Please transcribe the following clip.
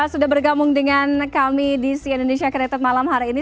sudah bergabung dengan kami di si indonesia connected malam hari ini